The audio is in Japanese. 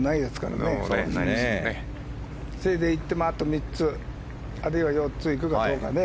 せいぜい行ってもあと３つあるいは４つ行くかどうかだね。